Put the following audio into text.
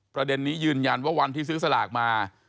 ประเด็นนี้ยืนยันว่าวันที่ซื้อสลากมา